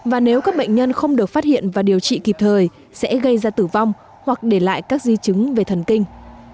và nếu các bệnh nhân không được phát hiện và điều trị kịp thời sẽ gây ra tử vong hoặc để lại các di chứng về thần kinh